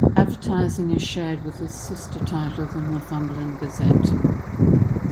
Advertising is shared with its sister title the "Northumberland Gazette".